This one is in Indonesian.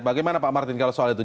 bagaimana pak martin kalau soal itu